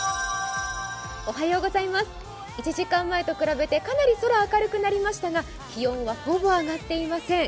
１時間前と比べてかなり空は明るくなりましたが気温はほぼ上がっていません。